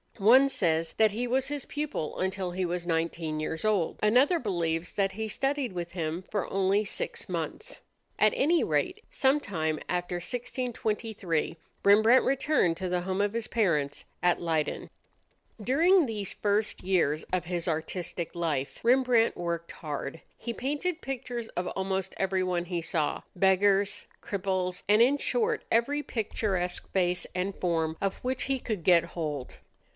One says that he was his pupil until he was nineteen years old; another believes that he studied with him for only six months. At any rate, sometime after 1623 Rembrandt returned to the home of his parents at Leyden. During these first years of his artistic life, Rembrandt worked hard. He painted pictures of almost everyone he saw beggars, cripples, and in short every picturesque face and form of which he could get hold.